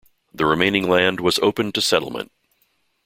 The remaining land was opened to settlement.